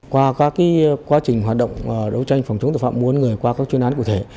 qua các quá trình hoạt động đấu tranh phòng chống tội phạm mua bán người qua các chuyên án cụ thể